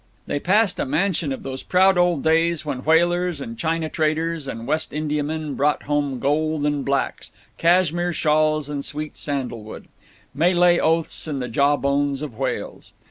They passed a mansion of those proud old days when whalers and China traders and West Indiamen brought home gold and blacks, Cashmere shawls and sweet sandalwood, Malay oaths and the jawbones of whales.